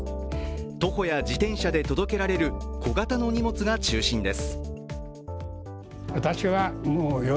徒歩や自転車で届けられる小型の荷物が中心です。